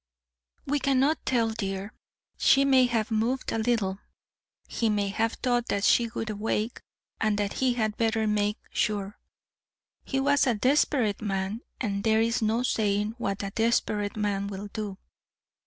"We cannot tell, dear. She may have moved a little. He may have thought that she would wake, and that he had better make sure. He was a desperate man, and there is no saying what a desperate man will do.